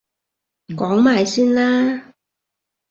講埋先啦！